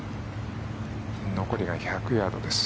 残りが１００ヤードです。